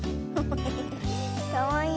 かわいい。